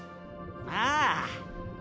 ああ。